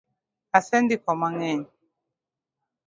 Asendiko mangeny